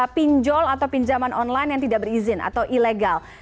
pinjol atau pinjaman online yang tidak berizin atau ilegal